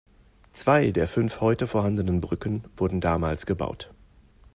Zwei der fünf heute vorhandenen Brücken wurden damals gebaut.